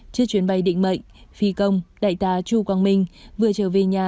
trước chuyến bay định mệnh phi công đại tá chu quang minh vừa trở về nhà